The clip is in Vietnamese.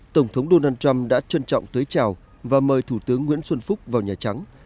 tổng thống donald trump đã trân trọng tới chào và mời thủ tướng nguyễn xuân phúc vào nhà trắng